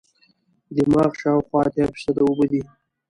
دماغ شاوخوا اتیا فیصده اوبه دي.